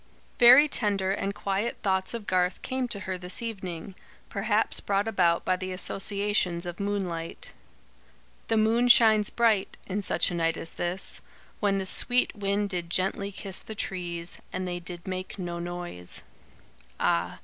Very tender and quiet thoughts of Garth came to her this evening, perhaps brought about by the associations of moonlight. "The moon shines bright: in such a night as this, When the sweet wind did gently kiss the trees, And they did make no noise " Ah!